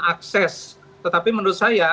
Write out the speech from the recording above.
akses tetapi menurut saya